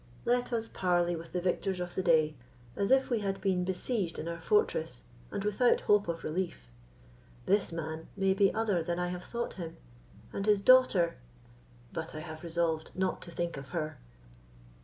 Let us parley with the victors of the day, as if we had been besieged in our fortress, and without hope of relief. This man may be other than I have thought him; and his daughter—but I have resolved not to think of her."